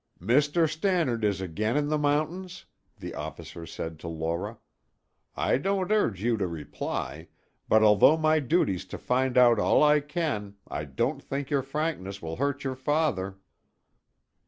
"Mr. Stannard is again in the mountains?" the officer said to Laura. "I don't urge you to reply, but although my duty's to find out all I can, I don't think your frankness will hurt your father."